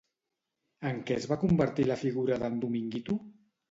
En què es va convertir la figura d'en Dominguito?